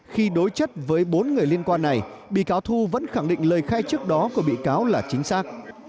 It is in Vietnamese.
khi đối chất với bốn người liên quan này bị cáo thu vẫn khẳng định lời khai trước đó của bị cáo là chính xác